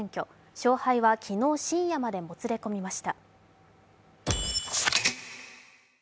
勝敗は昨日深夜までもつれ込みました。